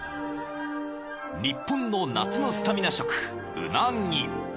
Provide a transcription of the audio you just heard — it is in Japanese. ［日本の夏のスタミナ食］